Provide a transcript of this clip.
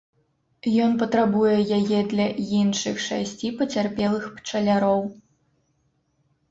Ён патрабуе яе для іншых шасці пацярпелых пчаляроў.